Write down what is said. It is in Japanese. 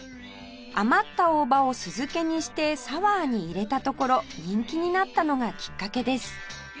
余った大葉を酢漬けにしてサワーに入れたところ人気になったのがきっかけです